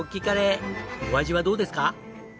カレーお味はどうですか？